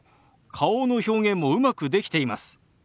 顔の表現もうまくできています。